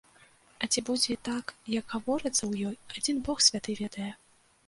А ці будзе так, як гаворыцца ў ёй, адзін бог святы ведае.